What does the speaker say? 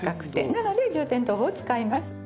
なので充填豆腐を使います。